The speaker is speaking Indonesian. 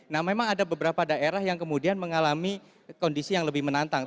nah memang ada beberapa daerah yang kemudian mengalami kondisi yang lebih menantang